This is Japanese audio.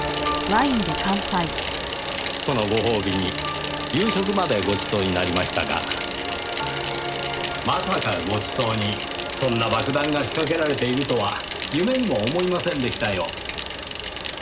そのご褒美に夕食までごちそうになりましたがまさかごちそうにそんな爆弾が仕掛けられているとは夢にも思いませんでしたよ。